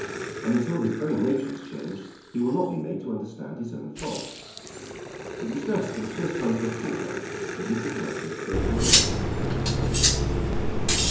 And until his very nature is changed he will not be made to understand his own fault." It was thus for the first time for a fortnight that Mrs. Western spoke to her mother about her husband.